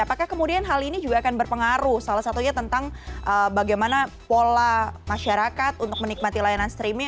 apakah kemudian hal ini juga akan berpengaruh salah satunya tentang bagaimana pola masyarakat untuk menikmati layanan streaming